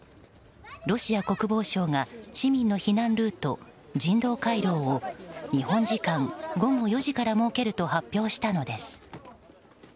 ロシア国防省が市民の避難ルート、人道回廊を日本時間午後４時から設けると発表したのです。